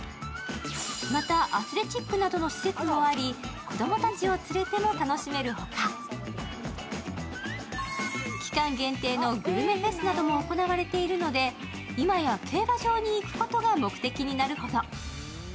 またアスレチックなどの施設もあり、子供たちを連れても楽しめるほか期間限定のグルメフェスなども行われているので今や競馬場に行くことが目的になるほど。